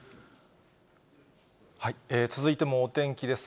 続いてもお天気です。